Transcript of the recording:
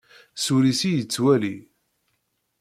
S wul-is i yettwali.